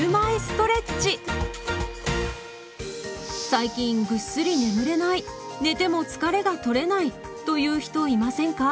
最近ぐっすり眠れない寝ても疲れがとれないという人いませんか？